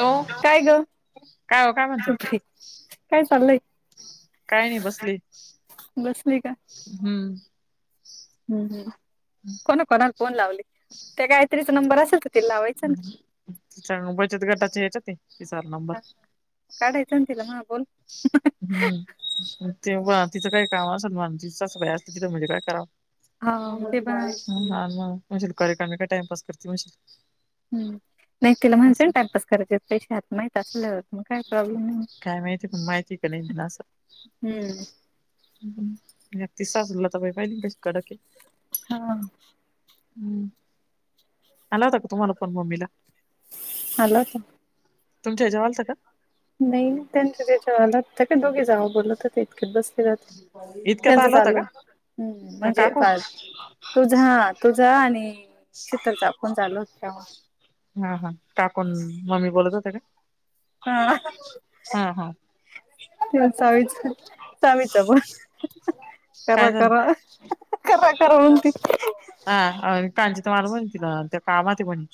Hello काय ग काय हो काय म्हणताय काय चाललंय? काय नाही बसली बसली हम्म हम् कोणा कोणाला फोन लावली त्या गायत्रीचा नंबर असेल तर तिला लावायचा ना. तिचा बचत गटाच्या ह्याच्यात आहे तिचा नंबर काढायचं ना तिला म्हणा बोल हम्म तेव्हा तिचं काही काम असलं तिथ आणि तिची सासूबाई असली तिथ मग काय करावं हा ते पण आहे हा न म्हणजे तू रिकामी काय टाइमपस करते म्हणशी हम्म नाही तिला म्हणय ना टाइमपास करायचे पैसे आत माहत असल्या मग काय प्रॉब्लेम नाही काय माहिती. माहिती की नाही ना अस हम्म तिची सासूबाई पहिली ना कधी कडक आहे हा हम्म आला होता का तुम्हाला पण मम्मीला. आला होता तुमच्या याच्यावर आला होता का नाही त्यांच्याच याच्यावर आला त्या काय दोघी जावा बोलत होत्या इतक्यात बसून [unintelligible] इतक्यात त्यांचं आला होता चाललं का हम्म का म्हणजे काकू फार तुझा तुझा आणि. शीतलचा फोन चालू होता [unintelligible] हा हा टाकून मम्मी बोलत होत्या ना हा हा [unintelligible] सामीच प करा काय झालं करा करा करा म्हणती हा कांची तर मला म्हणती त्या कामात आहे म्हणे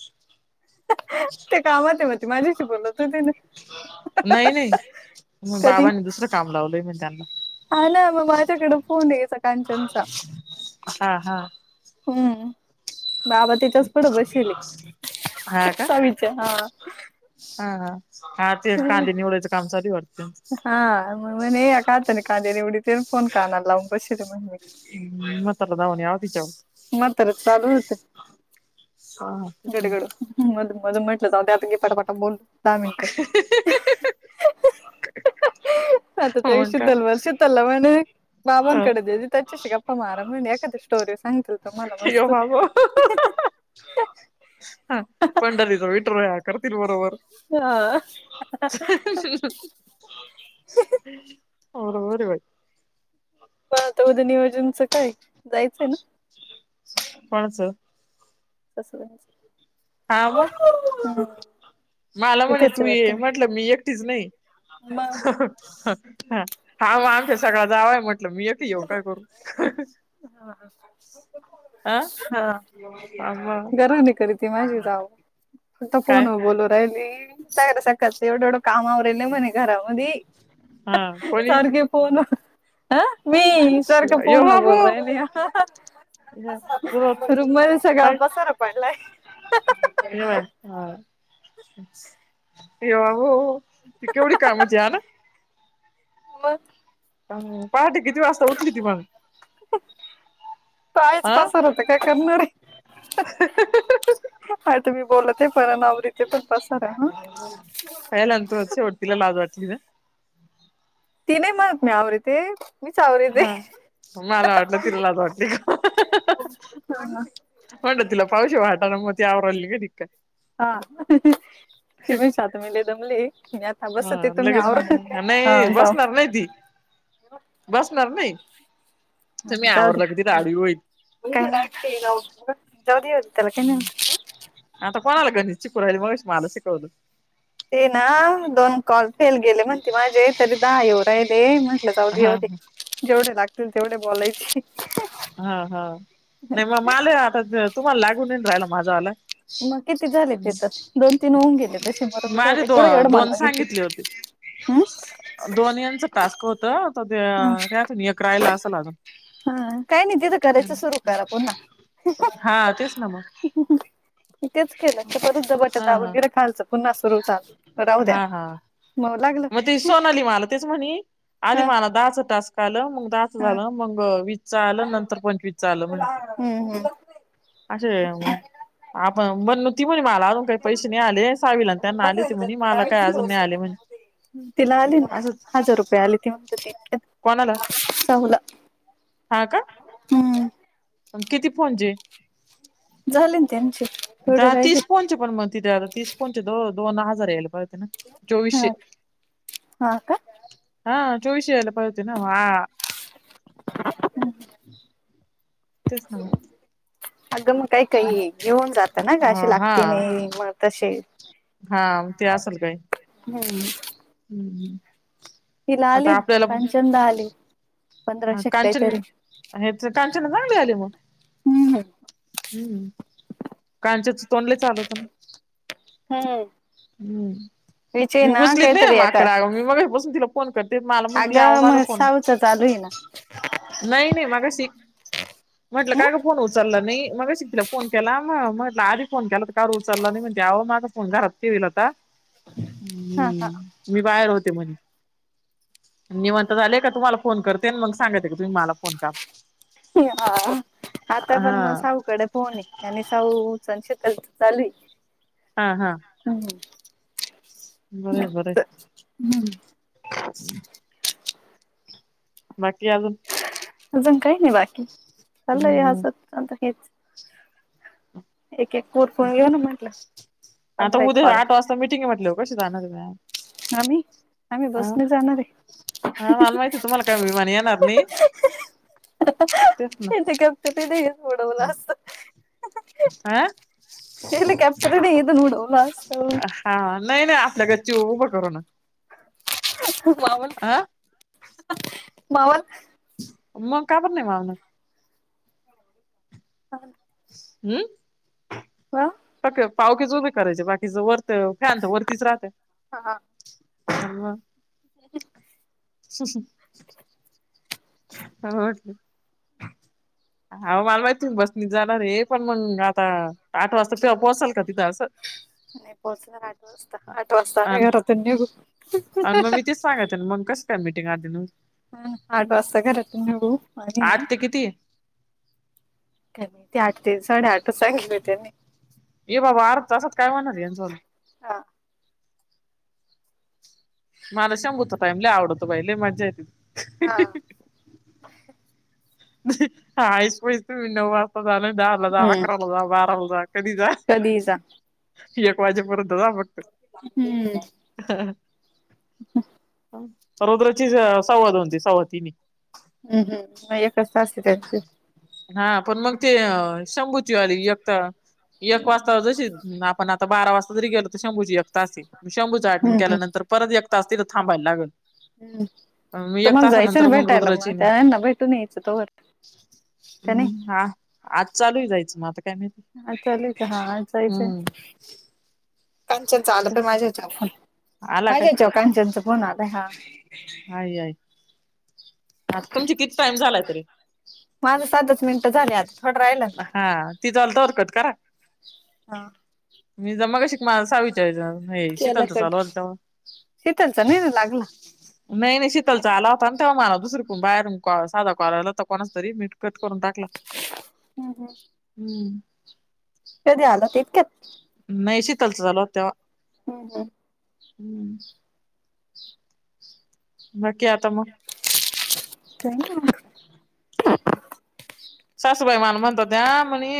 ते कामात आहे म्हणती माझ्याशी बोलत होती ना नाही नाही मग कधी बाबांनी दुसरं काम लावलंय मी त्यांना हा ना मग माझ्याकडे फोन ये स हा हा. हम्म बाबा तिच्याच पुढं बसेले हा का सावीच्या हा हा-हा तेच कांदे निवडायचं काम चालू आहे वाट हा मग म्हणे कांदे निवडतीने आणि फोन कानाला लावून बशीले म्हणे [unintelligible] म्हातारं चालू होत तिच्यावर गडगड मध मध म्हंटल जाऊ दे आता घी पटापटा बोल दहा मिनिटं [unintelligible] [unintelligible] आता ते मग शतलभर शीतलला म्हणे. बाबांकडे काय दिली त्याच्याशी गप्पा मारा म्हणे एखादी स्टोरी सांगते. यो बाबो [unintelligible] ह पंढर तिचा विठुराया करतील बरोबर. हा. [unintelligible] बरोबराय बाई. पण आता उद्या नियोजनचं काय जायचंय ना? कोणाचं? कस काय? हा मग. हम्. मला म्हणे तू ये म्हटलं मी एकटीच नाही मग [unintelligible] हा मग आमच्या सगळं जावंय म्हटलं मी एक त येऊ काय करू. आ? अ म गराणी करीती माझी जाव अता काय फोन वर बोलू राहिली य सकाळच एवढं एवढं. काम आवरायले म्हणे घरामध्ये हा कोणी सारखे फोन ह मी सारखं यो फोन व बाबू बोलू राहीली. पसारा सुरत पसारा रूम मध्ये सगळा काय पसार पडलाय. [unintelligible] हा. ये बाबो ती केवढी कामच्या्य ना. मग अम पहाटे किती वाजता उठली ती मग? तईच हा पसार हत काय करणारे. आ तुम्ही बोलत आहे पर आवरीते पण पसारा हा कयला अंतो शेवट तीला ला लाज वाटलीे ना? तीने माक मी आवरिते. हा मला वाटलं तिला लाज वाटली का? [unintelligible] वांट तिला पावश वाटाना म ती अवराली ग काय? हा तो पण शांत मी लाई दमले मी आता हा बसते तुम्ही लगेच आवरा हा नाही पाव बसणार नाही ती बसणार नाही. ह तुम्ही आवरलं की तिला जाऊद्या आडवी होईल काई नाई होत. जाऊद्या त्या ला काय नाई होत. आता कोणाला ग चीकु राहिली मगश मला शिकवलं ते ना दोन कॉल फेल गेले म्हणते माझे तरी दहा येऊ राहिले म्हटले म्हटल जाऊ दे हा येऊ दे मला जेवढे लागतील तेवढे बोलायचे. हा हा नाही मग माले आता तुम्हाला लागून येईन राहिला माझावाला मग किती झाले त तेथं दोन तीन होऊन गेले तसे म तथ माझे दो एडं एड दोन मानवा घेतली सांगितले होते हम्. दोन याचं टास्क होत आता त्या त्यातन एक राहिला असाल अजून. हा काही नाही तिथं करायचं सुरू करा पुन्हा. हा तेच ना मग तेच केलं ते परच ज बट हा दाबून हा गिर खालचं पुन्हा सुरू चालू राहू द्या. म लागला ती सोनली मला तेच म्हणे आधी हा मला दाच टास्क आल मग द हा झालं मग वीस च आलं नंतर पंचवीसच आलं म्हणे. हम्म हम्म असे आपण आपण बनूती म्हण मला. सांगू काय पैसे नाही आले सावीला आणि त्यांना आले हो म्हणे मला काय अजून नाही आले म्हणे. तिला आले ना असंच हजार रुपये आली ती म्हणत तीतक कोणाला? साहूला हा का. हम्म किती फोनचे? झाले ना त्यांचे थोडे धा राहिले तीस फोनचे पण म तिथे आता तीस फोनचे दो दोन हजार यायला पाहिजे होते ना. चोवीशे हा हा का हा चोवीशे यायला पायजे होत ना म आं [unintelligible] तेच नं मग अजून काय? काही घेऊन जात ना गं अ असे हा लागते‌ नाही मग कसे हा हम्म. हम्म हम्म. तिला आले आता ना आपल्याला कांचन दा आले पंधराशे क काय तरी ह्याच कांचन ला चांगले आले मग हम्म. हम्म कांचनचं तोंड लय चालवत न हूं हम्म ती उचलीत नाय ना काहीतरी एका माकडा आहो मी मगास पासून तिला फोन करते माला म्हणती आओ अगं माझ मग फोन साऊच चालू आहे ना. नाई नाई मगाशी [unintelligible] म्हटलं का गं फोन उचलला नही मगाशी तिला फोन केला म म्हटलं आधी फोन केला त कां रू उचलंला नाही म्हणते आहो माझं फोन घरात ठेवीला होता. हा हा मी बाहेर होते म्हणे निवांत झाले का तुम्हाला फोन करते मग सांगाते का तुम्ही मला फोन करा. ते हा आता पण म साऊकडे फोन ये. आणि सावू संचिता चाल्ली. हा हा. हूं हूं बरय बरय. बाकी अजून अजून काय नाही बाकी चाललंय हे हम्म असच अत हेच एक एक कोरफल घेऊ ना म्हटलं पंधरा एक उद्या पाळ आठ आता वाजता मिटिंग ये म्हटल्यावर कशी जाणार ये काय आम्ही आम्ही बसने जाणार ये. हा मला माहिती ये तुम्हाला काय विमान येणार नही. आता [unintelligible] कधीच उडवल असत. हा हेली कॅप्टर थोडी इदून उडवलं असत. हा नाय नाय आपल्या घरची उभं करू न मावल मावल मंग का बरं नाय मावणार. होना. हम्म कां त काय पावकीच उभी करायच बाकीच वरत फॅन तर वरतीच राहत्या. हा हा. [unintelligible] [unintelligible] होचं न आहो माला माहती ये तुम्ही बस नी जाणारेत. पण मंग आता आठ वाजता तिथं पोहचाल का तिथं असं नाय पोहचणार आठ वाजता आठ वाजता आम्ही घरातून निघू. सांगायं ना मग कसं का मीटिंग आधी हाआठ वास्ता घरत नू आठ ते किती. त्यांनी ते आठ ते साडेआठ सांगितलं त्यांनी ये बाबा अर्धा तासात काय होणार यांचं हा मला शभूत टाईमला आवडतो बाहिले मज्जा य त. हा आईस पईस तुम्ही नऊ वाजता झाला द जा हम्म अकराला जा बाराला जा कधी जा कधीही जा एक वाजेपर्ंत जा बटत हम्म हा अच् सर्वत्रची सवाद होनती सवाद ती म हम्म हम् एकच अस त्यांच हा पण मग ते शंबुची आली एकता. एक वाजता जशी आपण आता बारा वाजता जरी गेलो तर शंभूजी एक त शंभूं हट हम्म हम्म केल्यानंतर परत एक तास त तर थांबायला लागेल हम्म मी एक तासानंतर मग रुद्राचीन त नाहीच. हम्म हा आज चालू जायचं मग आता काय माहि हा चाले का हा जायचंय कांचनचं आलं पण माझ्याच्या फोन आला माझ्याच्याव कांचनचा फोन आलय हा ह आय ह तुमचे किती टाइम झालाय तरी माझं सात दच मिनट झाले आता थोडं राहिलं. हा ती चालत हरकत का. हा मी ज मगा शिक माहा विचारयच हे शिकल तर लवालता यथलसा नन लागला. नाही नाही शीतल चा आला होता आणि तेव्हा मला दुसरं कोण बाहेर साधा करायला होता कोणाच तरी मिटकत करून टाकला हम्म हम्म हम्म. कध आलं तेक. नाही शतालच झाल तेव्हा. हम् हम् हम्म. ह नकी आता म त ना सासूबाई माला म्हणतो त्या म्हणे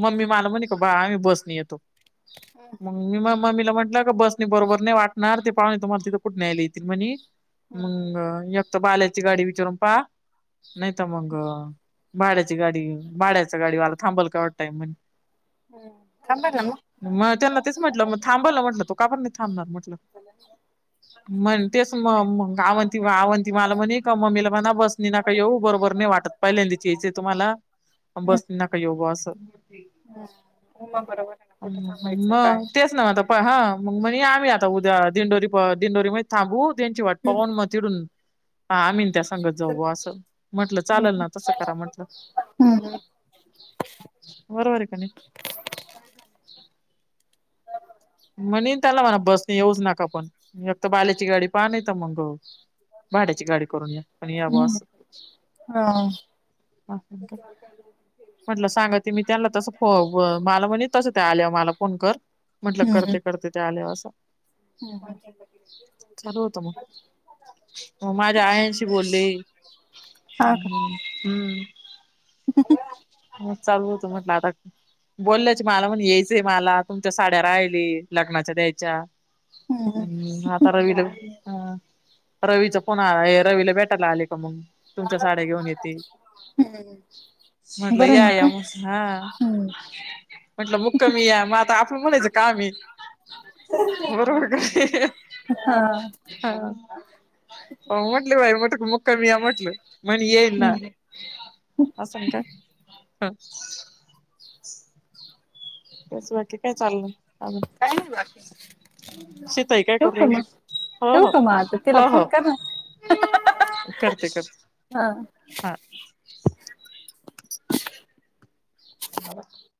मम्मी माला म्हणे का बा आम्ही बसणी येतो ह मी म म्मीला म्हटलं का बसने बरोबर नाही वाटणार ते पाहणे तुम्हाला तिथं कुठे्यायला येतील म्हणे. मंग एकत बाल्याची गाडी विचारून पा नाही तर मग भाड्याची गाडी भाड्याचा गाडी वाला थांबल का वाटतय म्हण थांबा ना मग त्यांना तेच म्हटलं मग थांबायला म्हटलं तो का पण नाही थांबणार म्हट म्हण ते मग मग गावंती आवंती मला म्हणे का मम्मीला म्हणा बसणी नका येऊ बरोबर नाही वाटत पहिल्यांदी तुम्हाला मग बस नका योगं असं उमा बरोबर आहे ना कुठं थांबायचं काय मग तेच ना आता ह मग म्हण आम्हीता उद्या दिंडोरी दिंडोरी म थांबू त्यांची वाट पान म तडून हा आम्ही त्या संगत जाऊ असं म्हटलं चालल ना तस हम्म बरोबर आहे का नाही. म्हणे त्याला म्हणा बसने येऊच नका पण फक्त बाल्याची गाडी पाह नाही तर मंग भाड्याची गाडी करून या पण या ब हम्म अस- हा आणि काय म्हटलं सांगा की मी त्यांना तसं मला म्हणे तसं त्या आल्यावर मला फोन कर म्हटल करते करते ते आले असं. हम् चालू होतं मग. मग माझ्या आयांशी बोलले हा का हम्म. मग चालू होत म्हटलं आता बोलल्यायचे मला म्हण यायचंय मला तुमच्या साड्या राहिली लग्नाच्या द्यायच्या. हम्म आ रवी हा. रवीचा फोन रवीला भेटायला आले का मग तुमच्या साड्या घेऊन येते. हम्म म्हटलं बरं या मग या काय मस हा हम्म म्हटलं मुक्कमी या मग आता आपलं म्हणायचं काम बरोबर का हा हा म्हटलं बाई म्हट मुक्का मी या म्हटलं म्हणे येईल ना हम्म असं काय? त्याच बाकी काय चाललंयं. अजून काय नाही बाकी शिताई काय ठेवू का कपडे मग तेन. हो ठेवू हो का मग आता तिला हो हो फोन कर [unintelligible] करते करते हा हा. [unintelligible]